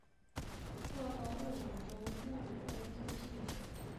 道光二年中壬午恩科进士。